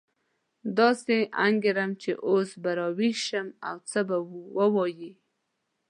داسې انګېرم چې اوس به راویښ شي او څه به ووایي.